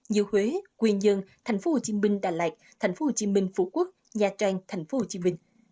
như huế quyền dân thành phố hồ chí minh đà lạt thành phố hồ chí minh phú quốc nha trang thành phố hồ chí minh